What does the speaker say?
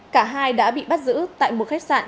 cả hai đã bị bắt giữ tại một khách sạn trên địa bàn